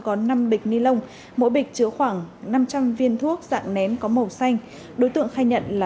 có năm bịch ni lông mỗi bịch chứa khoảng năm trăm linh viên thuốc dạng nén có màu xanh đối tượng khai nhận là